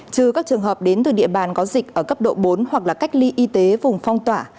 trừ các trường hợp đến từ địa bàn có dịch ở cấp độ bốn hoặc là cách ly y tế vùng phong tỏa